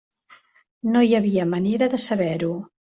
No hi havia manera de saber-ho.